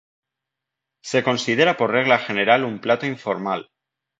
Se considera por regla general un plato informal.